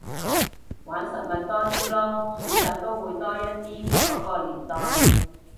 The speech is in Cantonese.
玩實物多啲囉，選擇都會多一啲，嗰個年代